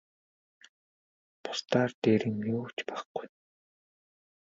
Бусдаар дээр юм юу ч байхгүй.